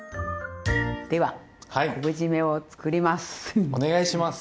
では昆布じめをつくります。